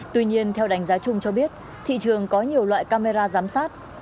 tuy nhiên theo đánh giá chung cho biết thị trường có nhiều loại camera giám sát